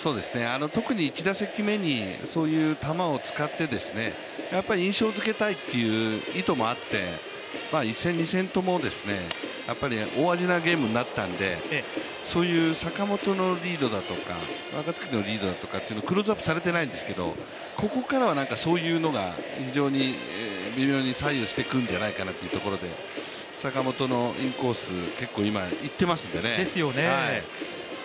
特に１打席目にそういう球を使って印象づけたいっていう意図もあって１戦、２戦ともに大味なゲームになったので、そういう坂本のリードだとか、若月のリードだとかというのはクローズアップされていないんですけどここからはそういうのが非常に、微妙に左右してくるんじゃないかなというところで坂本のインコース、結構今いってますんでね。